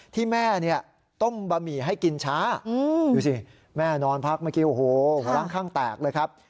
ที่แม่เนี่ยต้มบะหมี่ให้กินช้าดูสิแม่นอนพักเมื่อกี้โอ้โหหัวล้างข้างแตกเลยครับ